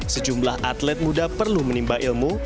sejumlah atlet muda perlu menimba ilmu